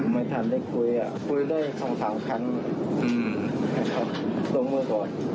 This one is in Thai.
ไม่ทันได้คุยคุยได้๒๓ครั้งลงมือก่อน